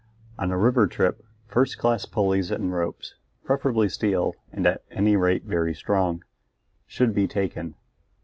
On a river trip, first class pulleys and ropes preferably steel, and at any rate very strong should be taken.